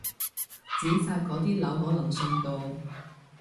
紙紮嗰啲樓可能送到！